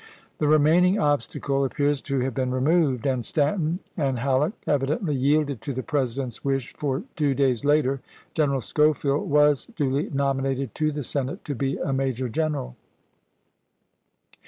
The remaining obstacle appears to have been removed, and Stanton and Halleck evidently yielded to the President's wish, for two days later General Schofield was duly nominated to the Senate to be a major general.